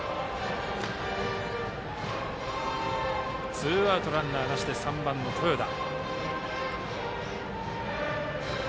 ツーアウトランナーなしで３番の豊田。